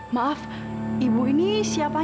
maaf ibu ini sedikit berantakan